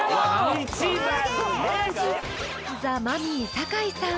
［ザ・マミィ酒井さん